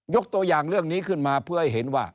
ตัวอย่างเรื่องนี้ขึ้นมาเพื่อให้เห็นว่า